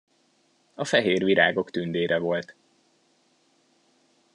A fehér virágok tündére volt.